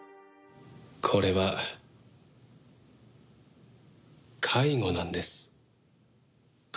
これは介護なんです。